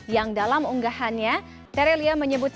yang dalam unggahannya tere lie menyebut